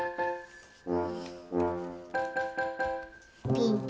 ピンク。